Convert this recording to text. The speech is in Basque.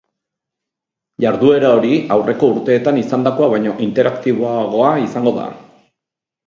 Jarduera hori aurreko urteetan izandakoa baino interaktiboagoa izango da.